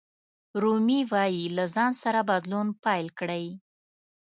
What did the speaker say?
رومي وایي له ځان څخه بدلون پیل کړئ.